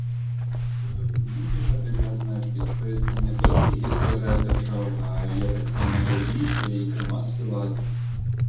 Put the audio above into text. У дакуменце падрабязна апісваецца не толькі гісторыя дзяржавы, але таксама рэлігія і грамадскі лад.